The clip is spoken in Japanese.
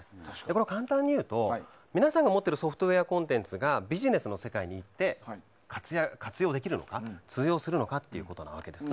これ、簡単にいうと皆さんが持っているソフトウェアコンテンツがビジネスの場で活用できるのか通用するのかということなんです。